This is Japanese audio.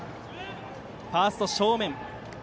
ファースト正面。